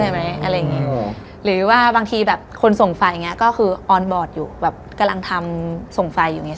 ไม่ต้องกลางคืนหรอกพี่